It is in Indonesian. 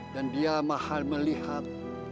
dan dia mahal melihat